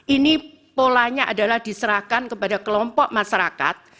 ini polanya adalah diserahkan kepada kelompok masyarakat